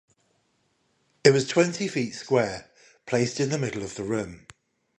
It was twenty feet square, placed in the middle of the room.